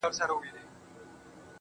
د ځناورو په خوني ځنگل کي,